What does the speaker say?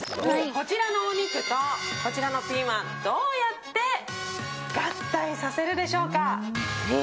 こちらのお肉とこちらのピーマンどうやって合体させるでしょうか。